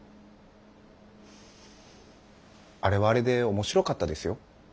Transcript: あれはあれで面白かったですよ。